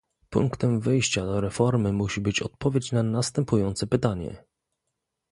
Punktem wyjścia do reformy musi być odpowiedź na następujące pytanie